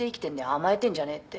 甘えてんじゃねえって」